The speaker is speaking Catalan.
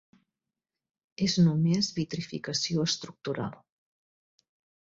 És només vitrificació estructural.